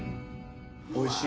おいしい。